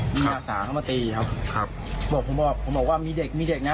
มีอาสาเข้ามาตีครับครับบอกผมบอกผมบอกว่ามีเด็กมีเด็กนะ